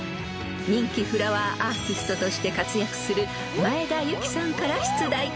［人気フラワーアーティストとして活躍する前田有紀さんから出題］